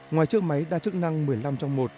ngoài chiếc máy đa chức năng một mươi năm trong một